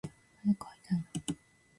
早く会いたいな